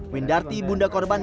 windarti bunda korban